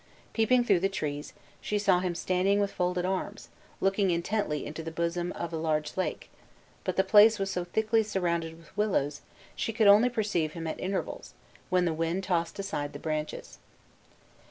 Peeping through the trees, she saw him standing with folded arms, looking intently into the bosom of a large lake; but the place was so thickly surrounded with willows, she could only perceive him at intervals, when the wind tossed aside the branches.